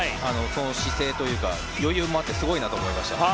その姿勢というか、余裕もあってすごいなと思いました。